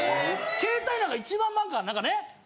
携帯なんか一番なんかね